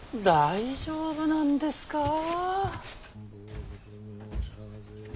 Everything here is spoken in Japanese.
大丈夫なんですか。